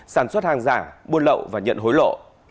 sản xuất hàng giả buôn lậu và nhận hối lộ